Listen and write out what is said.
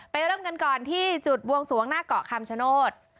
เริ่มกันก่อนที่จุดบวงสวงหน้าเกาะคำชโนธ